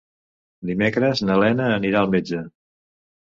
Dimecres na Lena anirà al metge.